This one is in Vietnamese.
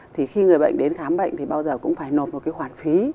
thì khi người bệnh đến khám bệnh thì bao giờ cũng phải nộp một cái khoản phí